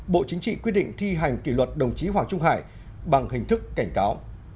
bộ chính trị quyết định thi hành kỷ luật đồng chí hoàng trung hải bằng hình thức cảnh cáo